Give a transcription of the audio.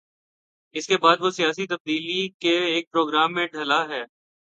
اس کے بعد وہ سیاسی تبدیلی کے ایک پروگرام میں ڈھلا ہے۔